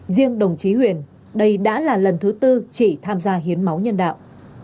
riêng đồng chí huyền đây đã là lần thứ tư chị tham gia hiến máu nhân đạo